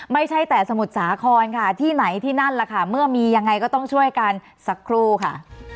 ไม่ใช่แต่สมุทรสาครค่ะที่ไหนที่นั่นแหละค่ะเมื่อมียังไงก็ต้องช่วยกันสักครู่ค่ะ